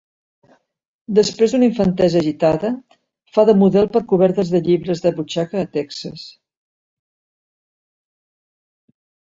Després d'una infantesa agitada, fa de model per cobertes de llibres de butxaca a Texas.